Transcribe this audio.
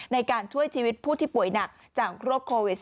ในการช่วยชีวิตผู้ที่ป่วยหนักจากโรคโควิด๑๙